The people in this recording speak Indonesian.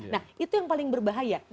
nah itu yang paling berbahaya